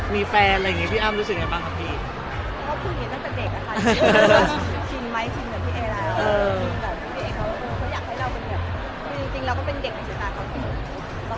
พี่เอ็มเค้าเป็นระบองโรงงานหรือเปลี่ยนไงครับ